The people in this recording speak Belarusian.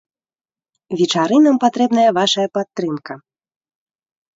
Вечарынам патрэбная вашая падтрымка!